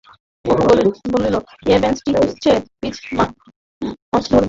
অপু বলিল, ও ব্যাঙচি খুঁজচে, ছিপে মাছ ধরবে।